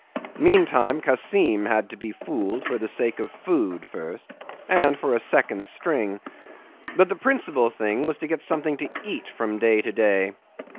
Meantime Kassim had to be fooled for the sake of food first and for a second string. But the principal thing was to get something to eat from day to day.